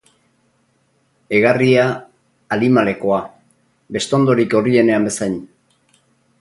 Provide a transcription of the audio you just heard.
Egarria, alimalekoa, bestondorik gorrienean bezain.